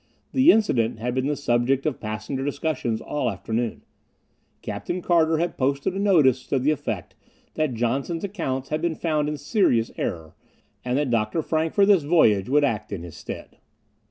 The incident had been the subject of passenger discussion all afternoon. Captain Carter had posted a notice to the effect that Johnson's accounts had been found in serious error, and that Dr. Frank for this voyage would act in his stead.